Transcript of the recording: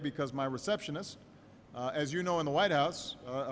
karena pembantuku seperti yang anda tahu di white house